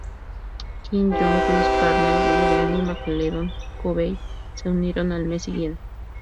Ken Jeong, Chris Parnell y Wendi McLendon-Covey se unieron al mes siguiente.